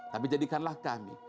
tapi jadikanlah kami